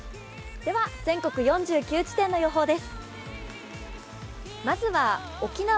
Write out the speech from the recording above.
では全国４９地点の予報です。